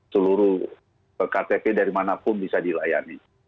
seluruh kkp dari manapun bisa dilayani